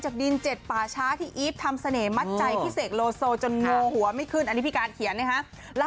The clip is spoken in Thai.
ก็เอามาเผาโชวก่าเลยนะคะ